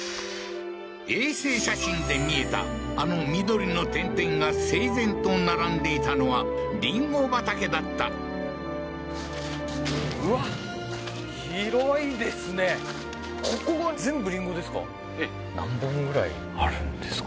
衛星写真で見えたあの緑の点々が整然と並んでいたのはりんご畑だった何本ぐらいあるんですか？